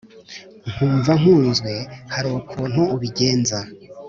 nkumva nkunzwe hari ukuntu ubigenza